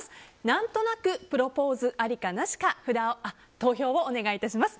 何となくプロポーズありかなしか投票をお願いします。